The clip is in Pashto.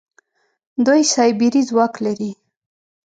دوی سايبري ځواک لري.